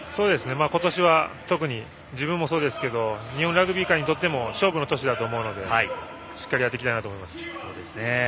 今年は特に自分もそうですが日本ラグビー界にとっても勝負の年だと思うのでしっかりやっていきたいと思います。